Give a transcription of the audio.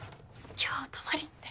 今日泊まりって。